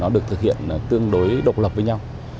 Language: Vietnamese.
được thực hiện tương đối độc lập với nhau